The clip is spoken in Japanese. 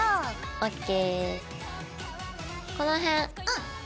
ＯＫ。